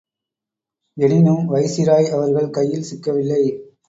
எனினும் வைசிராய் அவர்கள் கையில் சிக்கவில்லை.